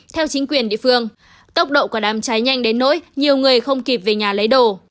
theo chính quyền địa phương tốc độ của đám cháy nhanh đến nỗi nhiều người không kịp về nhà lấy đồ